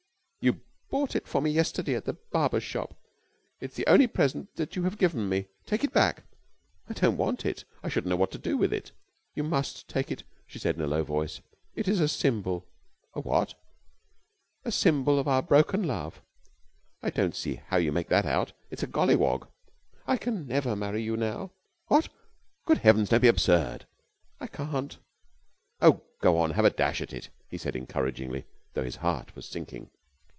"You bought it for me yesterday at the barber's shop. It is the only present that you have given me. Take it back." "I don't want it. I shouldn't know what to do with it." "You must take it," she said in a low voice. "It is a symbol." "A what?" "A symbol of our broken love." "I don't see how you make that out. It's a golliwog." "I can never marry you now." "What! Good heavens! Don't be absurd." "I can't." "Oh, go on, have a dash at it," he said encouragingly, though his heart was sinking.